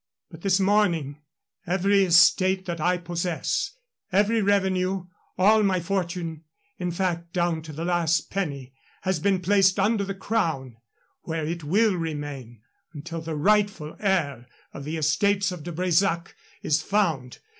But this morning every estate that I possess, every revenue all my fortune, in fact, down to the last penny has been placed under the Crown, where it will remain until the rightful heir of the estates of De Bresac is found.